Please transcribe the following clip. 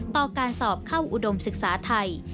ต่อการสอบเข้าอุดมศึกษาไทย